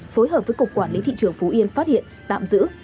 phối hợp với cục quản lý thị trường phú yên phát hiện tạm giữ